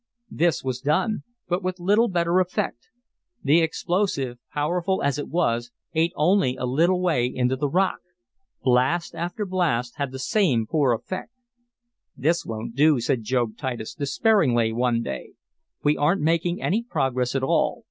This was done, but with little better effect. The explosive, powerful as it was, ate only a little way into the rock. Blast after blast had the same poor effect. "This won't do," said Job Titus, despairingly, one day. "We aren't making any progress at all.